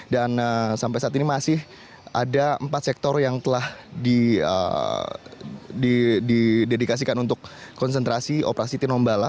dan sampai saat ini masih ada empat sektor yang telah didedikasikan untuk konsentrasi operasi tinombala